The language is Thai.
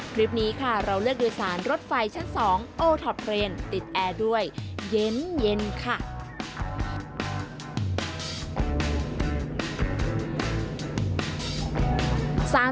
คลิปนี้ค่ะเราเลือกโดยสารรถไฟชั้น๒โอท็อปเรนติดแอร์ด้วยเย็นค่ะ